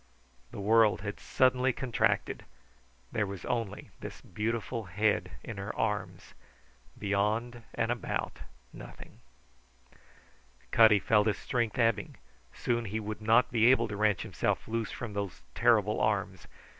The world had suddenly contracted; there was only this beautiful head in her arms; beyond and about, nothing. Cutty felt his strength ebbing; soon he would not be able to wrench himself loose from those terrible arms.